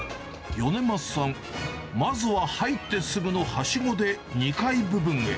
米桝さん、まずは入ってすぐのはしごで２階部分へ。